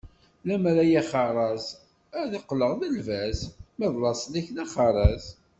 Lemmer ay axerraz ad teqleḍ d lbaz, ma d laṣel-ik d axerraz.